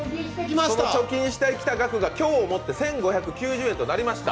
その貯金してきた額が今日をもって１５９０円となりました。